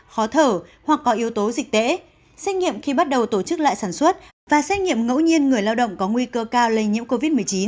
khó thở hoặc có yếu tố dịch tễ xét nghiệm khi bắt đầu tổ chức lại sản xuất và xét nghiệm ngẫu nhiên người lao động có nguy cơ cao lây nhiễm covid một mươi chín